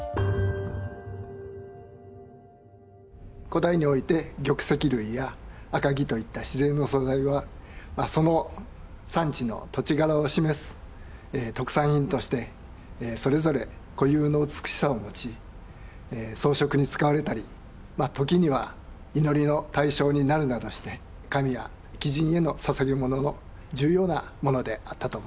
古代において玉石類や赤木といった自然の素材はその産地の土地柄を示す特産品としてそれぞれ固有の美しさを持ち装飾に使われたり時には祈りの対象になるなどして神や貴人への捧げ物の重要なものであったと思われます。